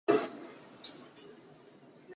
中华四极虫为四极科四极虫属的动物。